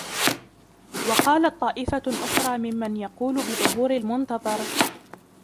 وَقَالَتْ طَائِفَةٌ أُخْرَى مِمَّنْ يَقُولُ بِظُهُورِ الْمُنْتَظَرِ